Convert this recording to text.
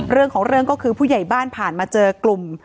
เรื่องของเรื่องก็คือผู้ใหญ่บ้านผ่านมาเจอกลุ่ม